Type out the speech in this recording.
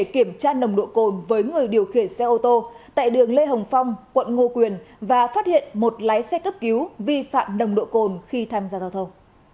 kiểm tra nồng độ cồn với người điều khiển xe ô tô tại đường lê hồng phong quận ngo quyền và phát hiện một lái xe cấp cứu vi phạm nồng độ cồn khi tham gia giao thông